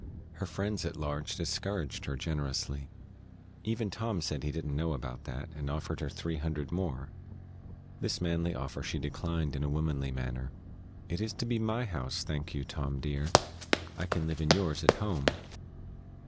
Her friends at large discouraged her generously. Even Tom said he didn't know about that, and offered her three hundred more. This manly offer she declined in a womanly manner. "It is to be my house, thank you, Tom, dear. I can live in yours at home."